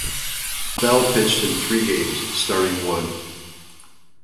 Bell pitched in three games, starting one.